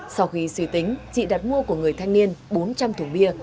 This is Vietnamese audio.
sau khi suy tính chị đặt mua của người thanh niên bốn trăm linh thùng bia